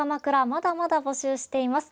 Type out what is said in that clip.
まだまだ募集しています。